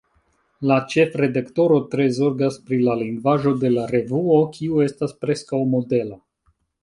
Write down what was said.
La ĉefredaktoro tre zorgas pri la lingvaĵo de la revuo, kiu estas preskaŭ modela.